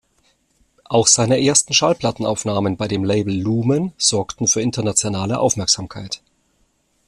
Auch seine ersten Schallplatten-Aufnahmen bei dem Label »Lumen« sorgten für internationale Aufmerksamkeit.